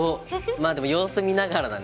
まあでも様子見ながらだね。